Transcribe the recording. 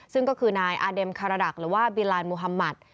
ซึ่งก็คือนายอาเด็มคาราดักหรือว่าบิลานมุฮามัติ